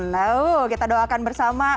nah kita doakan bersama